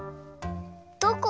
どこ？